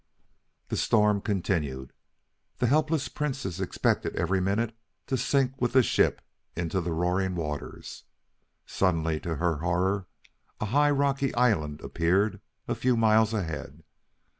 The storm continued. The helpless Princess expected every minute to sink with the ship into the roaring waters. Suddenly, to her horror, a high rocky island appeared a few miles ahead.